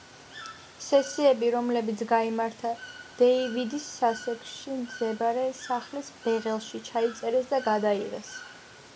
სესიები, რომლებიც გაიმართა დეივიდის სასექსში მდებარე სახლის ბეღელში, ჩაიწერეს და გადაიღეს.